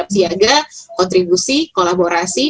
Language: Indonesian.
siaga kontribusi kolaborasi